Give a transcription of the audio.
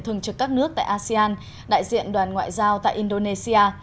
thường trực các nước tại asean đại diện đoàn ngoại giao tại indonesia